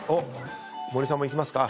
森さんもいきますか。